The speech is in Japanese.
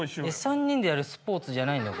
３人でやるスポーツじゃないのよ